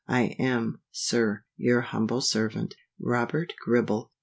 I am, Sir, Your humble Servant, ROBERT GRIBBLE.